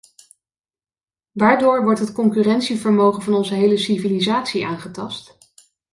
Waardoor wordt het concurrentievermogen van onze hele civilisatie aangetast?